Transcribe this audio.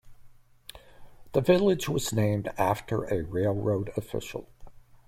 The village was named after a railroad official.